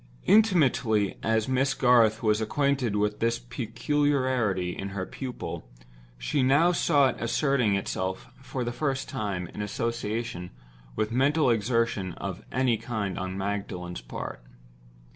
Intimately as Miss Garth was acquainted with this peculiarity in her pupil, she now saw it asserting itself for the first time, in association with mental exertion of any kind on Magdalen's part.